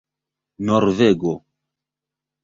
norvego